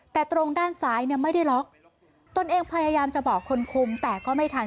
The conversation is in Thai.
แต่ตรงด้านซ้ายเนี่ยไม่ได้ล็อกตนเองพยายามจะบอกคนคุมแต่ก็ไม่ทัน